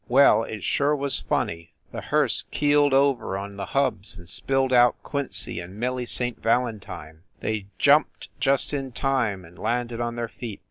Well, it sure was funny ! The hearse keeled over on the hubs and spilled out Quincy and Millie St. Valentine. They jumped just in time and landed on their feet.